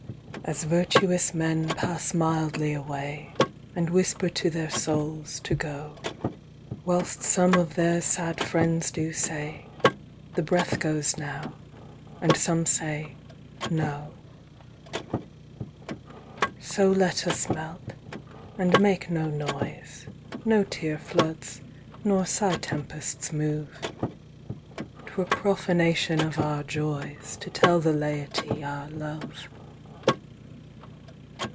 _ As virtuous men passe mildly away, And whisper to their soules, to goe, Whilst some of their sad friends doe say, The breath goes now, and some say, no: So let us melt, and make no noise, 5 No teare floods, nor sigh tempests move, T'were prophanation of our joyes To tell the layetie our love.